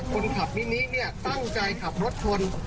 คนขับนินเนี้ยต้องการขับรถทน